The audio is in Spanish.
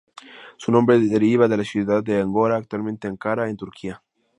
Su nombre deriva de la ciudad de Angora, actualmente Ankara, en Turquía.